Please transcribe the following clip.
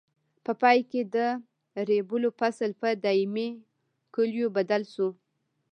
په پای کې د ریبلو فصل په دایمي کلیو بدل شو.